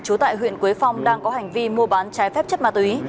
trú tại huyện quế phong đang có hành vi mua bán trái phép chất ma túy